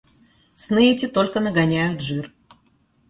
Сны эти только нагоняют жир.